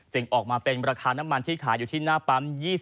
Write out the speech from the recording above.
จึงออกมาเป็นราคาน้ำมันที่ขายอยู่ที่ละปั๊ม